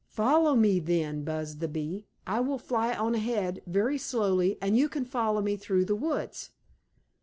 "Follow me, then," buzzed the bee. "I will fly on ahead, very slowly, and you can follow me through the woods."